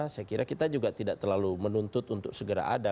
saya kira kita juga tidak terlalu menuntut untuk segera ada